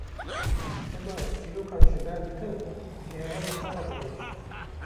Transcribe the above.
Dema ez çîrokan ji ber dikim, ji hevalên xwe re dibêjim.